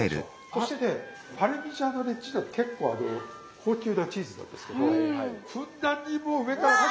そしてねパルミジャーノ・レッジャーノって結構あの高級なチーズなんですけどふんだんにもう上からかけちゃう。